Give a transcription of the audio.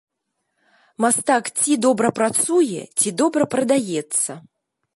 Мастак ці добра працуе, ці добра прадаецца.